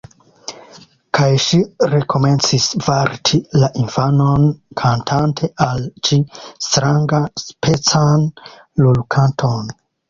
Kaj ŝi rekomencis varti la infanon, kantante al ĝi strangaspecan lulkanton